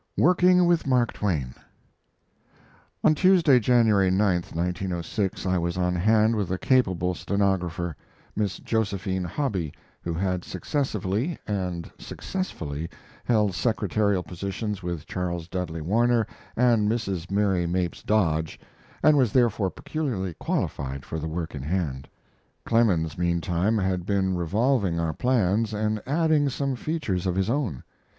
WORKING WITH MARK TWAIN On Tuesday, January 9, 1906, I was on hand with a capable stenographer Miss Josephine Hobby, who had successively, and successfully, held secretarial positions with Charles Dudley Warner and Mrs. Mary Mapes Dodge, and was therefore peculiarly qualified for the work in hand. Clemens, meantime, had been revolving our plans and adding some features of his own.